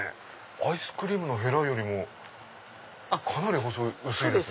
アイスクリームのへらよりもかなり薄いですよね。